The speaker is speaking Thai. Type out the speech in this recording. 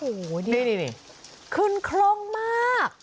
โหี่ขึ้นคล้องมาก